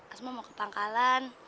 asma mau ke pangkalan